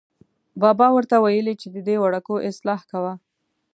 بابا ور ته ویلې چې ددې وړکو اصلاح کوه.